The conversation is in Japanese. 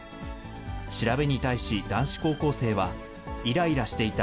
調べに対し男子高校生は、いらいらしていた。